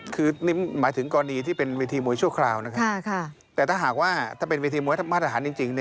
คือนี่หมายถึงกรณีที่เป็นเวทีมวยชั่วคราวนะครับแต่ถ้าหากว่าถ้าเป็นเวทีมวยมาตรฐานจริง